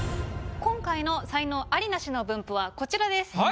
今回の才能アリ・ナシの分布はこちらです。